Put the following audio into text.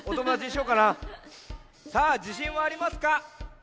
さあじしんはありますか？